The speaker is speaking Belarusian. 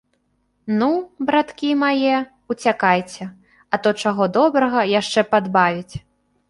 Ну, браткі мае, уцякайце, а то, чаго добрага, яшчэ падбавіць.